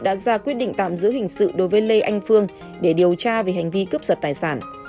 đã ra quyết định tạm giữ hình sự đối với lê anh phương để điều tra về hành vi cướp giật tài sản